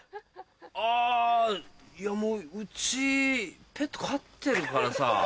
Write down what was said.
あもううちペット飼ってるからさ。